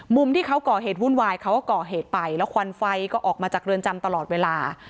ที่เขาก่อเหตุวุ่นวายเขาก็ก่อเหตุไปแล้วควันไฟก็ออกมาจากเรือนจำตลอดเวลา